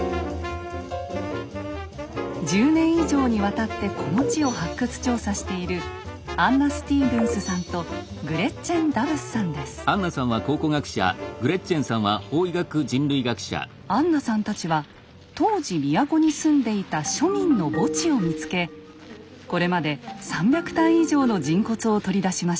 １０年以上にわたってこの地を発掘調査しているアンナさんたちは当時都に住んでいた庶民の墓地を見つけこれまで３００体以上の人骨を取り出しました。